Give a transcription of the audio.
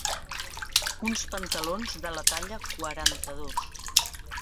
Uns pantalons de la talla quaranta-dos.